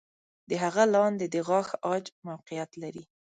د هغه لاندې د غاښ عاج موقعیت لري.